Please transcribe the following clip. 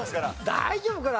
大丈夫かな？